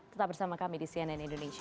tetap bersama kami di cnn indonesia